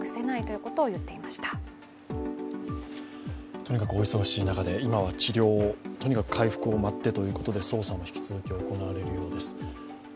とにかくお忙しい中で、今は治療を、とにかく回復を待ってということで捜査も引き続き行われるようです。